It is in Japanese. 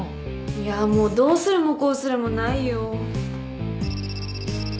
いやもうどうするもこうするもないよ。